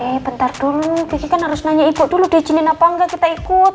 eh bentar dulu kiki kan harus nanya ibu dulu diizinin apa enggak kita ikut